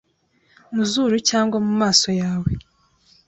mu zuru cyangwa mu maso yawe